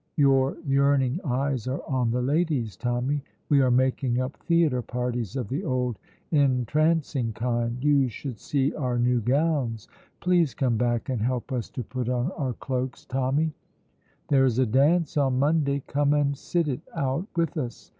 Your yearning eyes are on the ladies, Tommy; we are making up theatre parties of the old entrancing kind; you should see our new gowns; please come back and help us to put on our cloaks, Tommy; there is a dance on Monday come and sit it out with us.